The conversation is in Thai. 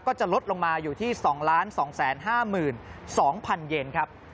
ก็จะลดลงมาอยู่ที่๒๒๕๒๐๐๐เย็นครับ